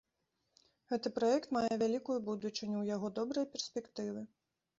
Гэты праект мае вялікую будучыню, у яго добрыя перспектывы.